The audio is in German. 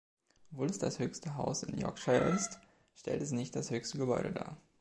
Obwohl es das höchste Haus in Yorkshire ist, stellt es nicht das höchste Gebäude dar.